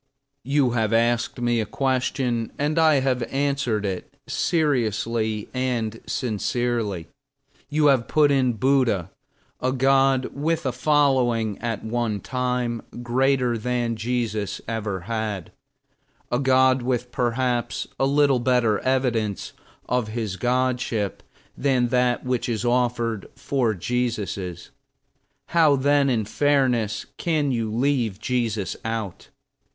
You have asked me a question, and I have answered it seriously and sincerely. You have put in Buddha a god, with a following, at one time, greater than Jesus ever had: a god with perhaps a little better evidence of his godship than that which is offered for Jesus's. How then, in fairness, can you leave Jesus out?